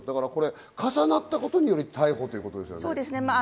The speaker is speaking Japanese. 重なったことにより、逮捕っていうことなんですよね。